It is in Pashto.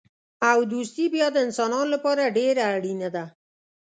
او دوستي بیا د انسانانو لپاره ډېره اړینه ده.